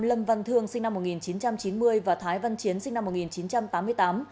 lâm văn thương sinh năm một nghìn chín trăm chín mươi và thái văn chiến sinh năm một nghìn chín trăm tám mươi tám